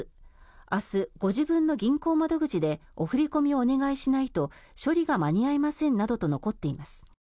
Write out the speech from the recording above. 明日、ご自分の銀行窓口でお振り込みをお願いしないと処理が間に合いませんなどと残っています。